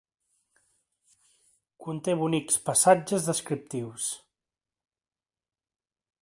Conté bonics passatges descriptius.